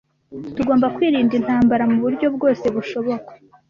Tugomba kwirinda intambara muburyo bwose bushoboka.